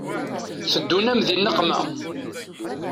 Teddun-am di nneqma.